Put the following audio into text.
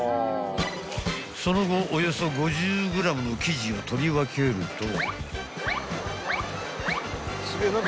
［その後およそ５０ｇの生地を取り分けると］